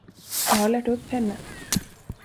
Jag har lärt upp henne.